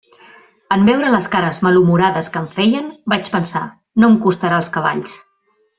En veure les cares malhumorades que em feien, vaig pensar: no em costarà els cavalls.